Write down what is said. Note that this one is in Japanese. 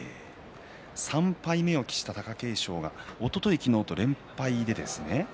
３敗目を喫した貴景勝おととい、昨日と連敗です。